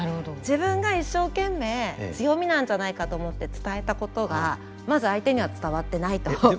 自分が一生懸命強みなんじゃないかと思って伝えたことがまず相手には伝わってないと。